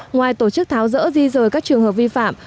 ngoài tổ chức tháo rỡ di rời các trường hợp vi phạm